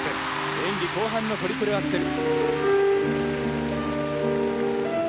演技後半のトリプルアクセル。